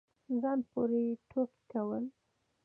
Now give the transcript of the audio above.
ځان پورې ټوقې كول